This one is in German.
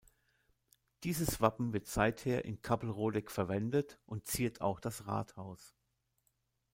Dieses Wappen wird seither in Kappelrodeck verwendet und ziert auch das Rathaus.